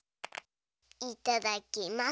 いただきます。